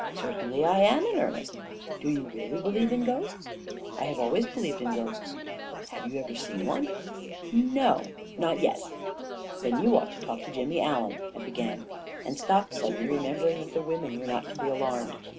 44 Certainly I am in earnest !" 44 Do you really believe in ghosts ?" 44 1 have always believed in ghosts." 44 Have you ever seen one ?" "No — not yet!" 44 Then you ought to talk to Jimmy Allen," I be gan, and stopped suddenly, remembering that the women were not to be alarmed.